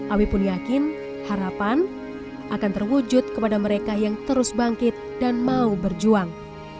awi pun yakin harapan akan terwujud kepada mereka yang terus bangkit dan mau berjuang